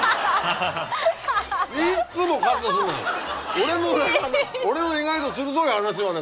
俺の俺の意外と鋭い話をね